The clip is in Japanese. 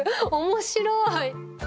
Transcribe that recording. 面白い。